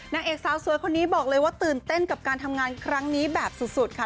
นางเอกสาวสวยคนนี้บอกเลยว่าตื่นเต้นกับการทำงานครั้งนี้แบบสุดค่ะ